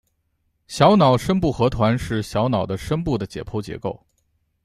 小脑深部核团是小脑的深部的解剖结构。